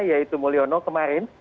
yaitu mulyono kemarin